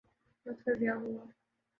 وقت کا ضیاع ہوا۔